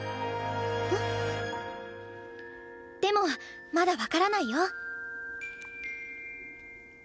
あでもまだ分からないよ。